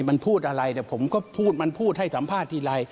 มันพูดอะไรแต่ผมก็พูดมันพูดให้สัมภาษณ์ทีไร